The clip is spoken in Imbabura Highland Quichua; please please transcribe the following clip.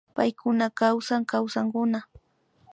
Paykuna kawsan Kawsankuna